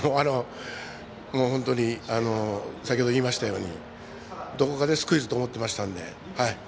本当に先ほど言いましたようにどこかでスクイズと思ってましたので。